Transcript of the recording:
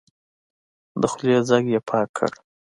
د خولې ځګ يې پاک کړ.